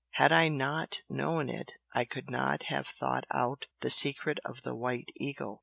Had I NOT known it I could not have thought out the secret of the 'White Eagle'!"